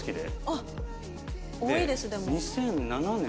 あっ多いですでも。